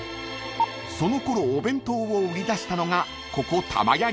［そのころお弁当を売り出したのがここ］